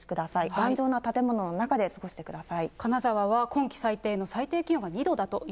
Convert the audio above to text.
頑丈な建物の中で過ごしてください。